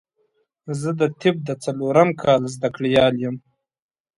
زه د طب د څلورم کال زده کړيال يم